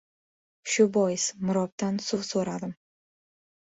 Shu bois, mirobdan suv so‘radim.